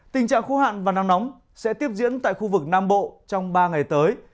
tình trạng khô hạn và nắng nóng sẽ tiếp diễn tại khu vực nam bộ trong ba ngày tới